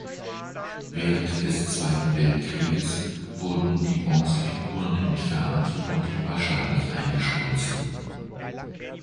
Während des Zweiten Weltkrieges wurden die Bronzefiguren entfernt und wahrscheinlich eingeschmolzen.